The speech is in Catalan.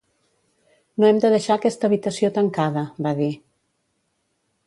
"No hem de deixar aquesta habitació tancada", va dir.